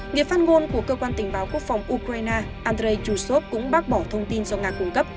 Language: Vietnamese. người phát ngôn của cơ quan tình báo quốc phòng ukraine andrei justov cũng bác bỏ thông tin do nga cung cấp